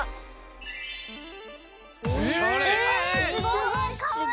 すごいかわいい！